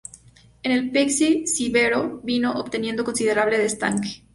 En el Peixe, Cícero vino obteniendo considerable destaque.